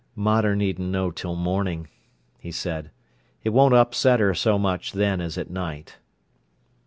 "Mater needn't know till morning," he said. "It won't upset her so much then as at night."